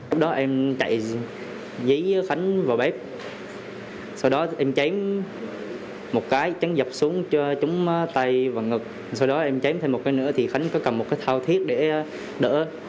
lúc đó em chạy giấy khánh vào bếp sau đó em chém một cái trắng dập xuống cho chúng tay và ngực sau đó em chém thêm một cái nữa thì khánh có cầm một cái thao thiết để đỡ